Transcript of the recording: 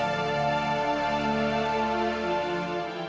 kamu pasti akan bantu